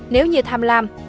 nếu như tham lam